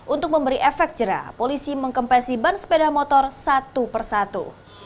untuk memberi efek jerah polisi mengempesi ban sepeda motor satu per satu